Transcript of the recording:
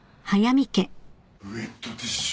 ウエットティッシュ